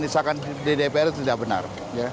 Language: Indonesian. disahkan di dpr itu tidak benar